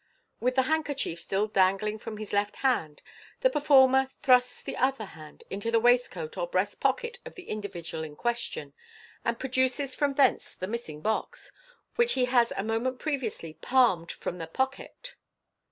With the handkerchief still dangling from his left hand, the performer thrusts the other hand into the waistcoat or breast pocket of the individual in question, and produces from thence the missing box, which lie has a moment previously palmed from the pochette.